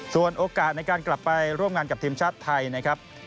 ส่วนโอกาสในการกลับไปร่วมงานกับทีมชาติไทยนะครับ